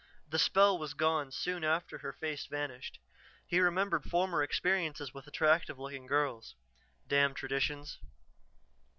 The spell was gone soon after her face vanished; he remembered former experiences with attractive looking girls. Damn traditions!